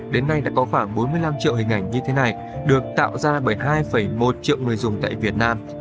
đến nay đã có khoảng bốn mươi năm triệu hình ảnh như thế này được tạo ra bởi hai một triệu người dùng tại việt nam